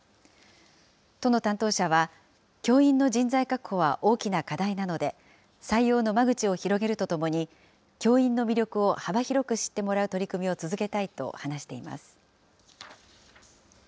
都の担当者は、教員の人材確保は大きな課題なので、採用の間口を広げるとともに、教員の魅力を幅広く知ってもらう取り組みを続けたいと話しています。